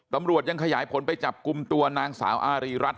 ตำรวจยังขยายผลไปจับกลุ่มตัวนางสาวอารีรัฐ